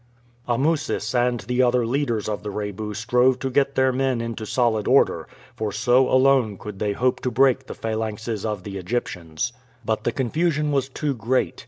Amusis and the other leaders of the Rebu strove to get their men into solid order, for so alone could they hope to break the phalanxes of the Egyptians; but the confusion was too great.